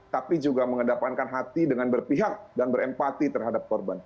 tapi juga mengedepankan hati dengan berpihak dan berempati terhadap korban